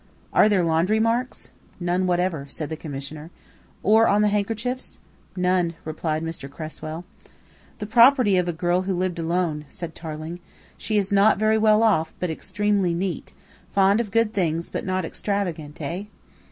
"Are there laundry marks?" "None whatever," said the Commissioner. "Or on the handkerchiefs?" "None," replied Mr. Cresswell. "The property of a girl who lived alone," said Tarling. "She is not very well off, but extremely neat, fond of good things, but not extravagant, eh?"